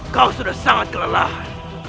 kau sudah sangat kelelahan